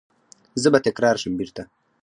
زه به تکرار شم بیرته